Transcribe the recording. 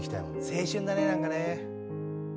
青春だねなんかね。